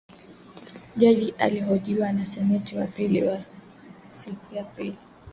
Jaji ahojiwa na seneti kwa siku ya pili